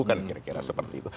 kan kira kira seperti itu